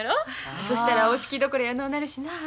そしたらお式どころやのうなるしな。